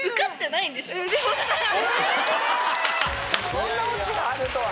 こんなオチがあるとは。